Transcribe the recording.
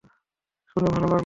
শোনে ভালো লাগল।